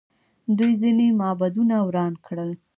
دوی ځینې معبدونه وران کړل